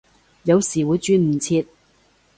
有時會轉唔切